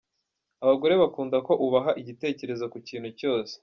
Abagore bakunda ko ubaha igitekerezo ku kintu cyose.